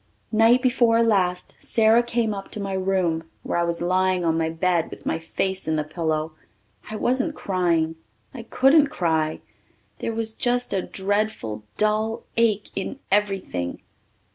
Night before last Sara came up to my room where I was lying on my bed with my face in the pillow. I wasn't crying I couldn't cry. There was just a dreadful dull ache in everything.